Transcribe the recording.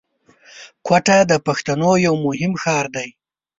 کوټه د پښتنو یو مهم ښار دی